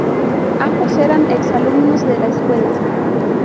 Ambos eran ex-alumnos de la escuela.